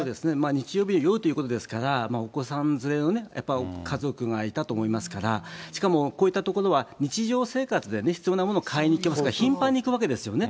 日曜日夜ということですから、お子さん連れの、やっぱり家族がいたと思いますから、しかもこういった所は日常生活でね、必要なものを買いに行きますから、頻繁に行くわけですよね。